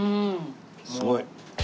すごい！